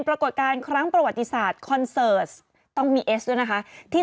ปรากฏการณ์ครั้งประวัติศาสตร์คอนเสิร์ตต้องมีเอสด้วยนะคะที่